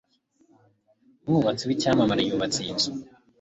umwubatsi w'icyamamare yubatse iyi nzu